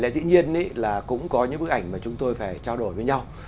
dĩ nhiên là cũng có những bức ảnh mà chúng tôi phải trao đổi với nhau